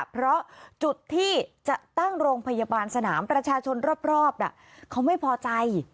เพราะจุดที่จะตั้งโรงพยาบาลสนามประชาชนรอบเขาไม่พอใจ